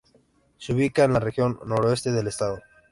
Se ubica en la región noroeste del Estado.